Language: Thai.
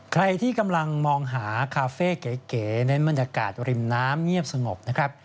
ใครที่กำลังมองหาคาเฟ่เก๋เน้นบรรยากาศริมน้ำเงียบสงบนะครับ